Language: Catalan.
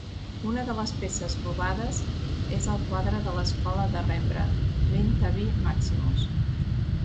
Una de les peces robades és el quadre de l'escola de Rembrandt 'Klint Tabie Maximus'.